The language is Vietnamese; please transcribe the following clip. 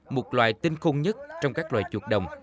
một loài tinh không nhất trong các loài chuột đồng